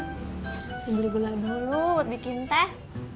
gue beli gula dulu buat bikin teh